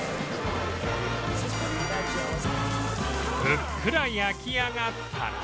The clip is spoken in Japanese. ふっくら焼き上がったら